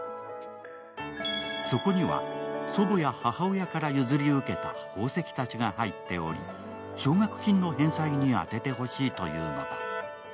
そこには祖母や母親から譲り受けた宝石たちが入っており、奨学金の返済にあててほしいというのだ。